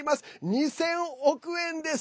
２０００億円です！